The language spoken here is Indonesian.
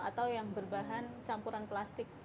atau yang berbahan campuran plastik